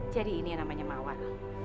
jadi ini yang namanya mawar